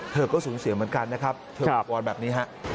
เธอก็สูญเสียเหมือนกันนะครับเธอวอนแบบนี้ฮะ